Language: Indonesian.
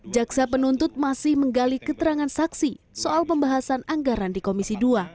jaksa penuntut masih menggali keterangan saksi soal pembahasan anggaran di komisi dua